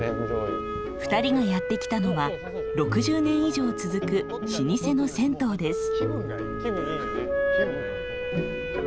２人がやって来たのは６０年以上続く老舗の銭湯です。